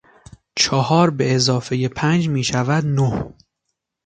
چهار به اضافهی پنج میشود نه.